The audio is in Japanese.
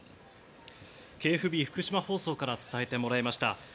ＫＦＢ福島放送から伝えてもらいました。